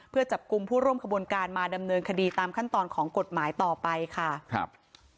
เพื่อจับกลุ่มผู้ร่วมขบวนการมาดำเนินคดีตามขั้นตอนของกฎหมายต่อไปค่ะครับ